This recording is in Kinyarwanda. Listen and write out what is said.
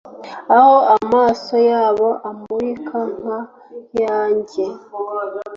aho amaso yabo amurika nka yanjye